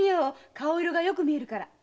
顔色がよく見えるから。